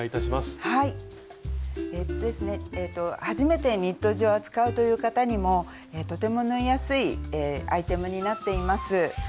初めてニット地を扱うという方にもとても縫いやすいアイテムになっています。